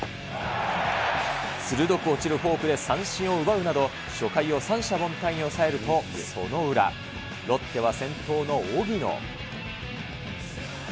鋭く落ちるフォークで三振を奪うなど、初回を三者凡退に抑えると、その裏。ロッテは先頭の荻野。